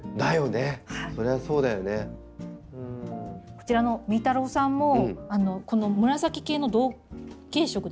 こちらのみーたろうさんもこの紫系の同系色ですね。